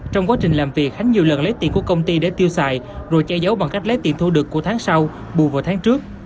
trong quá trình làm việc khánh nhiều lần lấy tiền của công ty để tiêu xài rồi che giấu bằng cách lấy tiền thu được của tháng sau bù vào tháng trước